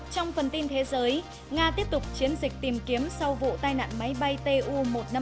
trong phần tin thế giới nga tiếp tục chiến dịch tìm kiếm sau vụ tai nạn máy bay tu một trăm năm mươi bốn